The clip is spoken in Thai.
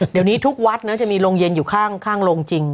เดี๋ยวนี้ทุกวัดนะจะมีโรงเย็นอยู่ข้างโรงจริง